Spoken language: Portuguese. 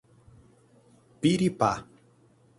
Piripá